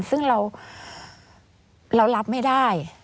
ซึ่งเรารับไม่ได้